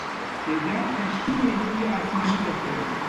تێیدا کەشتییەکی ئاسمانی دەفڕێت